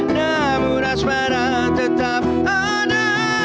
namun asmara tetap ada